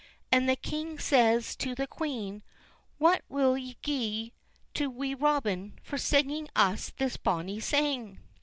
And the king says to the queen: "What'll we gie to Wee Robin for singing us this bonny sang?"